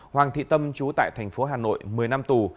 hoàng thị tâm chú tại tp hcm một mươi năm tù